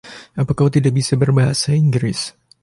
Apa kau tidak bisa berbahasa Inggris?